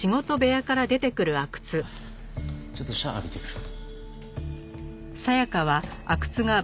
ちょっとシャワー浴びてくる。